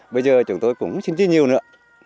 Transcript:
bây giờ chúng tôi cũng xin chi nhiều nữa